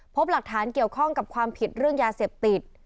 พบหลักฐานเกี่ยวข้องกับความผิดเรื่องยาเสพติด